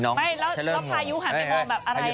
สอบบอรี่สด